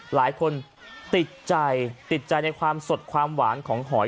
หลายคนติดใจติดใจในความสดความหวานของหอย